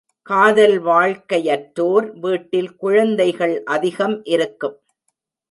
காதல் வாழ்க்கையற்றோர் வீட்டில் குழந்தைகள் அதிகம் இருக்கும்.